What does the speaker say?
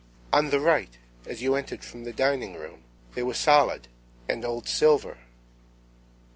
—On the right, as you entered from the dining room.—They were solid.—And old silver.